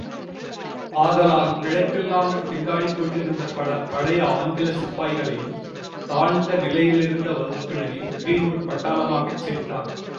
ஆதலால் பிழைப்பில்லாமல் திண்டாடிக் கொண்டிருந்த பல பழைய ஆங்கில சிப்பாய்களையும், தாழ்ந்த நிலையிலிருந்த வகுப்பினரையும் கிரீன்வுட் பட்டாளமாகச் சேர்த்தார்.